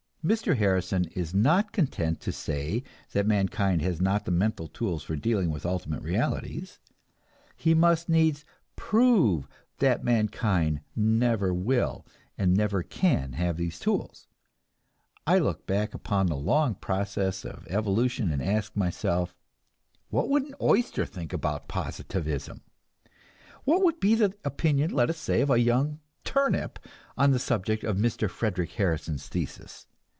Mr. Harrison is not content to say that mankind has not the mental tools for dealing with ultimate realities; he must needs prove that mankind never will and never can have these tools, I look back upon the long process of evolution and ask myself, What would an oyster think about Positivism? What would be the opinion of, let us say, a young turnip on the subject of Mr. Frederic Harrison's thesis?